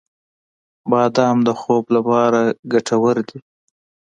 • بادام د خوب لپاره ګټور دی.